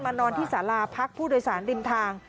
นอนที่สาราพักผู้โดยสารริมทาง